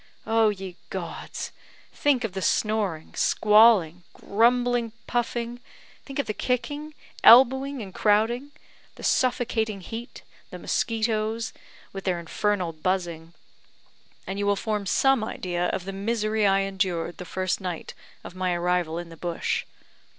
Oh, ye gods! think of the snoring, squalling, grumbling, puffing; think of the kicking, elbowing, and crowding; the suffocating heat, the mosquitoes, with their infernal buzzing and you will form some idea of the misery I endured the first night of my arrival in the bush.